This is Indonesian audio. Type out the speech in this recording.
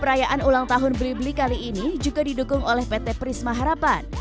perayaan ulang tahun blibli kali ini juga didukung oleh pt prisma harapan